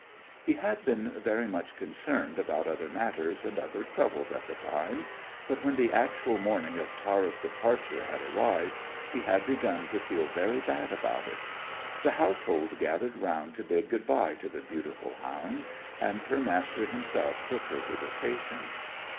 He had been very much concerned about other matters and other troubles at the time, but when the actual morning of Tara's departure had arrived, he had begun to feel very bad about it. The household gathered round to bid good bye to the beautiful hound, and her Master himself took her to the station.